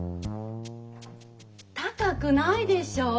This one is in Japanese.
高くないでしょう？